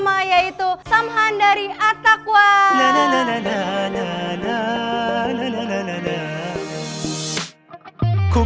waalaikumsalam warahmatullahi wabarakatuh